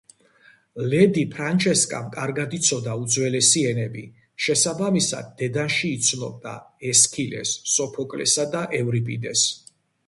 ლედი ფრანჩესკამ კარგად იცოდა უძველესი ენები, შესაბამისად, დედანში იცნობდა ესქილეს, სოფოკლესა და ევრიპიდეს.